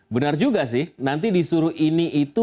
benar juga sih nanti disuruh ini itu